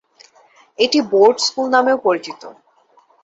এটি board school নামেও পরিচিত।